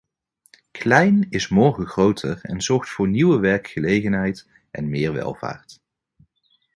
Klein is morgen groter en zorgt voor nieuwe werkgelegenheid en meer welvaart.